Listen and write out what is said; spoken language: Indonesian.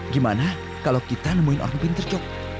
gimana kalau kita nemuin orang pintar jok